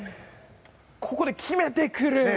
ここで決めてくる。